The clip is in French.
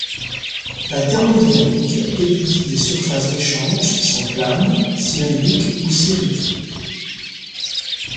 La thermodynamique étudie des surfaces d'échange qui sont planes, cylindriques ou sphériques.